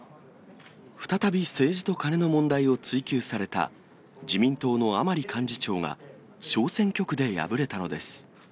再び政治とカネの問題を追及された自民党の甘利幹事長が、小選挙区で敗れたのです。